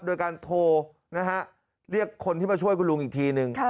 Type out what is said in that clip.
โดยการโทรนะฮะเรียกคนที่มาช่วยคุณลุงอีกทีนึง